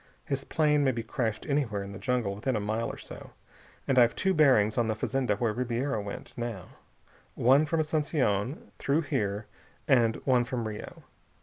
His plane may be crashed anywhere in the jungle within a mile or so. And I've two bearings on the fazenda where Ribiera went, now. One from Asunción through here and one from Rio.